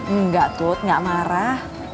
enggak tut gak marah